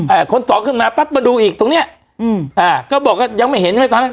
คนสองขึ้นมาปั๊บมาดูอีกตรงเนี้ยอืมอ่าก็บอกว่ายังไม่เห็นใช่ไหมตอนนั้น